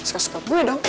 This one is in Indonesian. suka suka gue dong